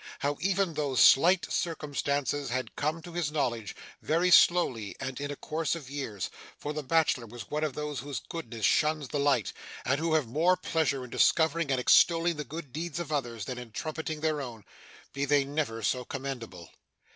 How even those slight circumstances had come to his knowledge, very slowly and in course of years, for the Bachelor was one of those whose goodness shuns the light, and who have more pleasure in discovering and extolling the good deeds of others, than in trumpeting their own, be they never so commendable.